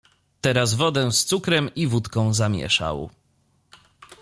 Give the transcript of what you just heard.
"Teraz wodę z cukrem i wódką zamieszał."